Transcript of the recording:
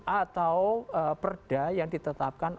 atau perda yang ditetapkan